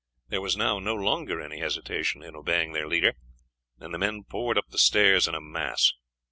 There was now no longer any hesitation in obeying their leader, and the men poured up the stairs in a mass.